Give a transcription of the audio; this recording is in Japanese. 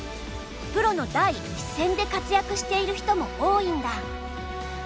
プロの第一線で活躍している人も多いんだ。